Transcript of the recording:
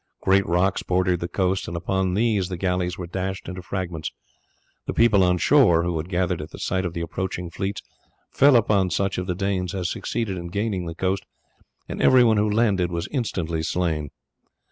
Great rocks bordered the coast, and upon these the galleys were dashed into fragments. The people on shore, who had gathered at the sight of the approaching fleets, fell upon such of the Danes as succeeded in gaining the coast, and everyone who landed was instantly slain.